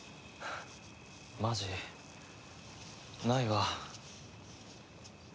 ハッマジないわ。